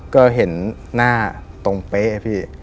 ก็เห็นหน้าตรงเป๊ะพี่